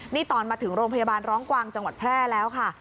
นี่ตอนมาถึงโรงพยาบาลร้องกวางจังหวัดแพร่แล้วค่ะ